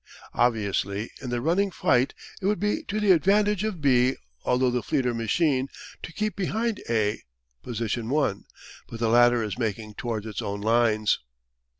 Obviously in the running fight it would be to the advantage of B, although the fleeter machine, to keep behind A (position 1), but the latter is making towards its own lines.